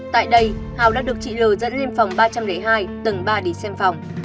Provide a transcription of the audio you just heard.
tại đây hào đã được chị l dẫn lên phòng ba trăm linh hai tầng ba để xem phòng